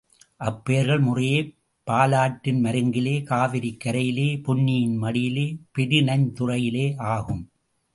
அப்பெயர்கள் முறையே பாலாற்றின் மருங்கிலே, காவிரிக் கரையிலே, பொன்னியின் மடியிலே, பொருநைத் துறையிலே ஆகும்.